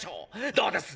どうです？